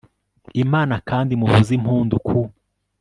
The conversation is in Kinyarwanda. imana, kandi muvuze impundu ku